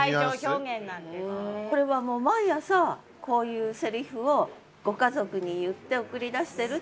これは毎朝こういうセリフをご家族に言って送り出してる？